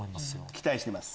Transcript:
期待してます。